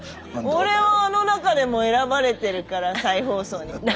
俺はあの中でも選ばれてるから再放送に。